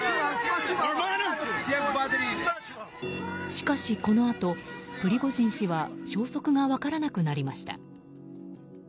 しかしこのあとプリゴジン氏は消息が分からなくなりました。